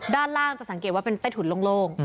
ด้านล่างจะสังเกตว่าเป็นใต้ถุนโล่ง